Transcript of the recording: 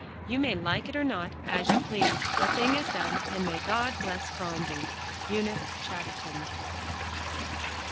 You may like it or not, as you please. The thing is done, and may God bless Phronsie. EUNICE CHATTERTON.